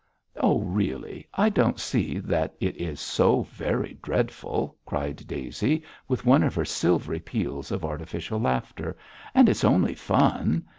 'Oh, really, I don't see that it is so very dreadful,' cried Daisy, with one of her silvery peals of artificial laughter, 'and it's only fun.